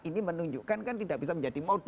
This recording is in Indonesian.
ini menunjukkan kan tidak bisa menjadi model gitu loh